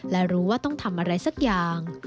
และรู้ว่าต้องทำอะไรสักอย่าง